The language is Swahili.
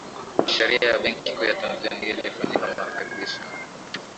sheria ya benki kuu ya tanzania ilifanyiwa marekebisho